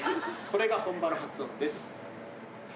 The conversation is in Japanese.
これが本場の発音です